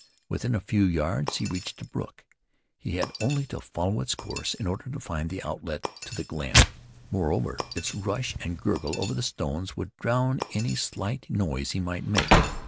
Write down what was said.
Within a few yards he reached the brook. He had only to follow its course in order to find the outlet to the glen. Moreover, its rush and gurgle over the stones would drown any slight noise he might make.